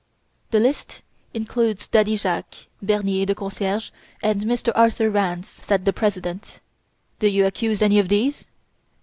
"The list includes Daddy Jacques, Bernier the concierge, and Mr. Arthur Rance," said the President. "Do you accuse any of these?"